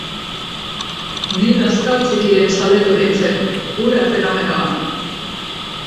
Ni Lazkao Txikiren zaletu nintzen, hura fenomenoa.